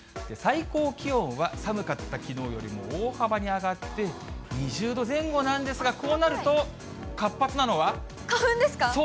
最高気温は寒かったきのうよりも大幅に上がって２０度前後なんですが、こうなると、花粉ですか？